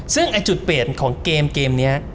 ซึ่งจุดเปลี่ยนของเกมเกมนี้